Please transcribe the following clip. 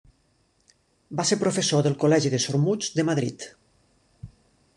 Va ser professor del col·legi de sordmuts de Madrid.